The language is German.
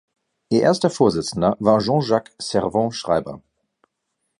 Ihr erster Vorsitzender war Jean-Jacques Servan-Schreiber.